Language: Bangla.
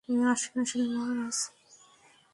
আসেন আসেন, মহারাজ।